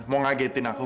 mau ngagetin aku